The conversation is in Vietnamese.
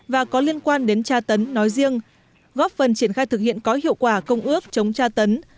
và có liên quan đến tra tấn nói riêng góp phần triển khai thực hiện có hiệu quả công ước chống tra tấn